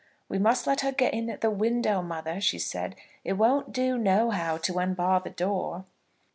"We must let her get in at the window, mother," she said. "It won't do, nohow, to unbar the door."